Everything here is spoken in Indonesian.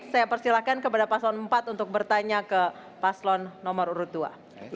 saya persilakan kepada pasangan empat untuk bertanya ke pasangan nomor dua